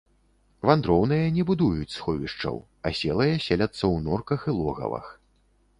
Вандроўныя не будуюць сховішчаў, аселыя селяцца ў норках і логавах.